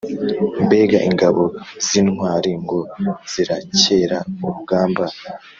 Mbega ingabo z’intwari, ngo zirakera urugamba!